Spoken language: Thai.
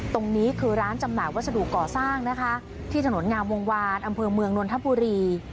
ตรงนี้คือร้านจำหน่ายวัสดุก่อสร้างนะคะที่ถนนงามวงวานอำเภอเมืองนนทบุรี